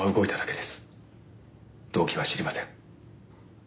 動機は知りません。